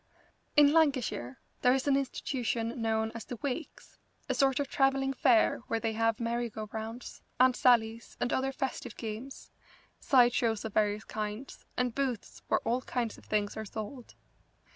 In Lancashire there is an institution known as the Wakes, a sort of travelling fair where they have merry go rounds, Aunt Sallies, and other festive games, side shows of various kinds, and booths where all kinds of things are sold.